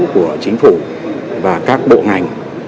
của chính phủ và các bộ ngành